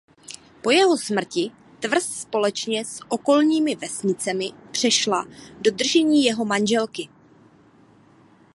Po jeho smrti tvrz společně s okolními vesnicemi přešla do držení jeho manželky.